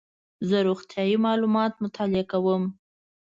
زه روغتیایي معلومات مطالعه کوم.